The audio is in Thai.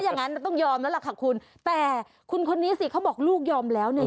อย่างนั้นต้องยอมแล้วล่ะค่ะคุณแต่คุณคนนี้สิเขาบอกลูกยอมแล้วเนี่ย